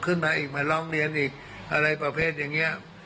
ขึ้นมาอีกมาร้องเรียนอีกอะไรประเภทอย่างนี้